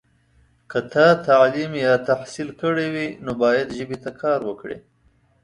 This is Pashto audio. که تا تعلیم یا تحصیل کړی وي، نو باید ژبې ته کار وکړې.